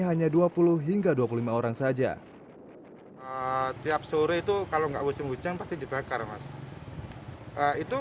hanya dua puluh hingga dua puluh lima orang saja tiap sore itu kalau enggak musim hujan pasti dibakar mas itu